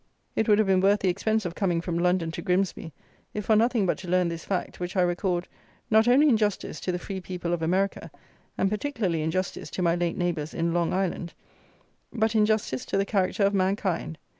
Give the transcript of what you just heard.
It would have been worth the expense of coming from London to Grimsby, if for nothing but to learn this fact, which I record, not only in justice to the free people of America, and particularly in justice to my late neighbours in Long Island, but in justice to the character of mankind.